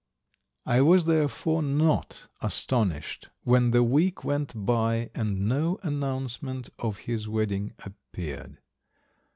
I was therefore not astonished when the week went by and no announcement of his wedding appeared.